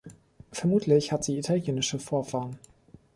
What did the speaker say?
Vermutlich hat sie italienische Vorfahren.